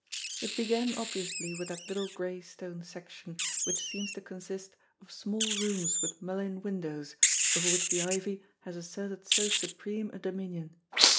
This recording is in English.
It began obviously with that little grey stone section, which seems to consist of small rooms with mullion windows, over which the ivy has asserted so supreme a dominion.